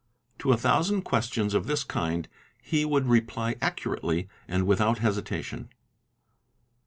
To a thousand questions of this kind, he would reply accurately and without hesitation.